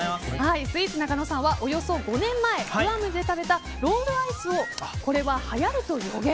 スイーツなかのさんはおよそ５年前グアムで食べたロールアイスをこれははやると予言。